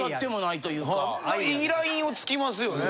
いいラインをつきますよね。